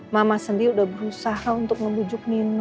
mama sendiri udah berusaha untuk membujuk nino sama nino